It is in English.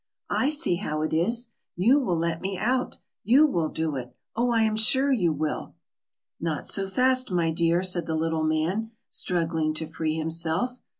"I see how it is: you will let me out you will do it. Oh, I am sure you will!" "Not so fast, my dear," said the little man, struggling to free himself.